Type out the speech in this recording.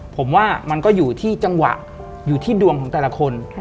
ผมว่ามันก็อยู่ที่จังหวะอยู่ที่ดวงของแต่ละคน